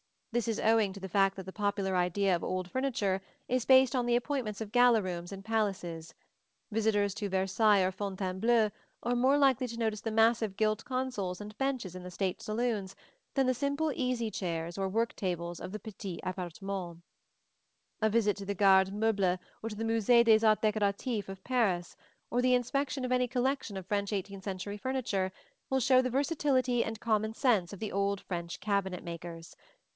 This is owing to the fact that the popular idea of "old furniture" is based on the appointments of gala rooms in palaces: visitors to Versailles or Fontainebleau are more likely to notice the massive gilt consoles and benches in the state saloons than the simple easy chairs and work tables of the petits appartements. A visit to the Garde Meuble or to the Musée des Arts Décoratifs of Paris, or the inspection of any collection of French eighteenth century furniture, will show the versatility and common sense of the old French cabinet makers.